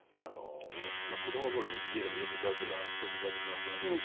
子供の頃に家でもよくジャズが当時ジャズかかってましたし。